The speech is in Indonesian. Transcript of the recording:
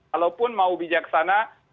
kalaupun mau bijaksana